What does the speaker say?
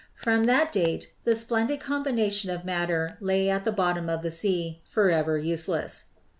From that date the "splendid com bination of matter lay at the bottom of the sea, forever useless."